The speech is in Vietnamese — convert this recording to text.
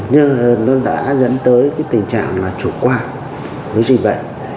nhưng nó đã dẫn tới cái tình trạng là chủ quan với dịch bệnh